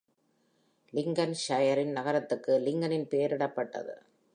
லிங்கன்ஷையரின் நகரத்திற்கு லிங்கனின் பெயரிடப்பட்டது.